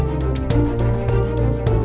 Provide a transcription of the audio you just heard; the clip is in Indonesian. kalo udah sampai